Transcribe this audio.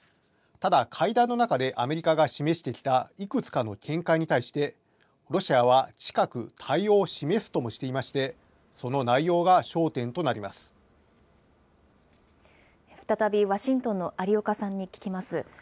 ただ会談の中でアメリカが示してきたいくつかの見解に対して、ロシアは近く対応を示すともしていまして、その内容が焦点となりま再びワシントンの有岡さんに聞きます。